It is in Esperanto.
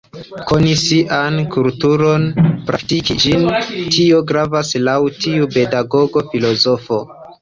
Koni sian kulturon, praktiki ĝin, tio gravas laŭ tiu pedagogo filozofo.